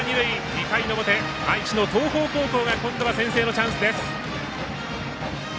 ２回の表、愛知の東邦高校が今度は先制のチャンスです。